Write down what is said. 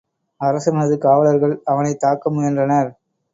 அரசனது காவலர்கள் அவனை தாக்க முயன்றனர்.